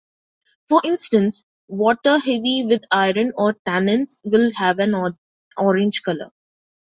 For instance, water heavy with iron or tannins will have an orange color.